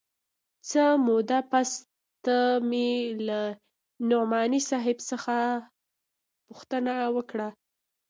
څه موده پس ته مې له نعماني صاحب څخه پوښتنه وکړه.